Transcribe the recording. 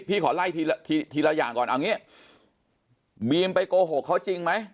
ขอไล่ทีละทีทีละอย่างก่อนเอางี้บีมไปโกหกเขาจริงไหม